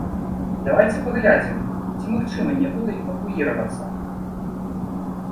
Давайце паглядзім, ці магчыма некуды эвакуіравацца.